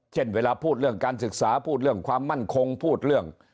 เช่นเวลาพูดเรื่องการศึกษาพูดเรื่องความมั่นคงพูดเรื่อง